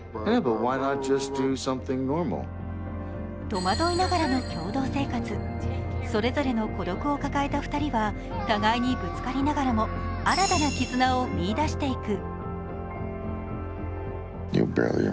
戸惑いながらの共同生活それぞれの孤独を抱えた２人は互いにぶつかりながらも新たな絆を見いだしていく。